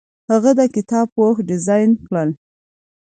هغه د کتاب پوښ ډیزاین کړ.